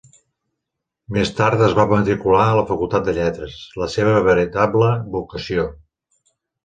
Més tard es va matricular a la Facultat de Lletres, la seva veritable vocació.